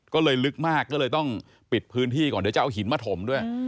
ก็เลยลึกมากก็เลยต้องปิดพื้นที่ก่อนเดี๋ยวจะเอาหินมาถมด้วย